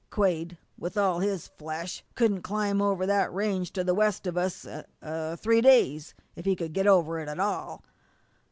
Quade, with all his flesh, couldn't climb over that range to the west of us inside o' three days, if he could get over it at all.